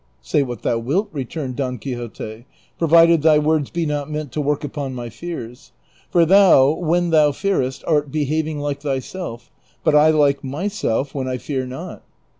" Say what thou wilt," returned Don Quixote, " provided thy words be not meant to work upon my fears ; for thou, when thou fearest, art behaving like thyself ; but I like myself, when I fear not."